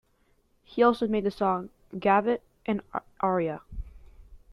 He also made the song gavotte and aria.